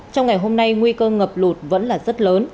trong ngày hôm nay nguy cơ ngập lụt vẫn là rất lớn